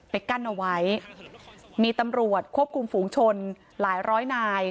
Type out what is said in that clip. กั้นเอาไว้มีตำรวจควบคุมฝูงชนหลายร้อยนาย